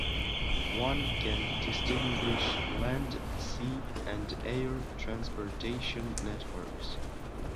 One can distinguish land, sea and air transportation networks.